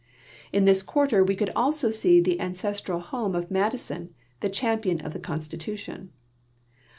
In this quarter we could also see tbe ancestral home of ^ladison, the cham|)ion of tbe Constitution.